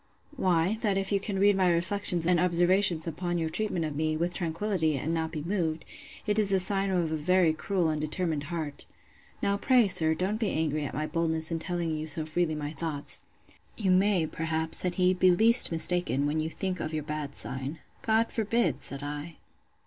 Why, that if you can read my reflections and observations upon your treatment of me, with tranquillity, and not be moved, it is a sign of a very cruel and determined heart. Now, pray, sir, don't be angry at my boldness in telling you so freely my thoughts. You may, perhaps, said he, be least mistaken, when you think of your bad sign. God forbid! said I.